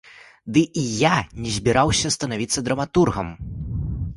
Ды і я не збіраўся станавіцца драматургам.